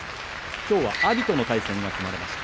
きょうは阿炎との対戦が組まれました。